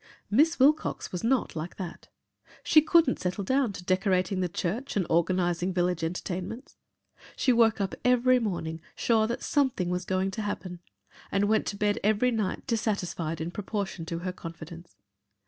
Miss Wilcox was not like that. She couldn't settle down to decorating the church and organising village entertainments. She woke up every morning sure that something was going to happen and went to bed every night dissatisfied in proportion to her confidence.